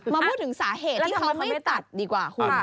มาพูดถึงสาเหตุที่เขาไม่ตัดดีกว่าคุณ